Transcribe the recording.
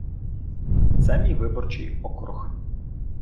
Це мій виборчий округ.